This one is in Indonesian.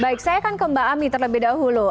baik saya akan ke mbak ami terlebih dahulu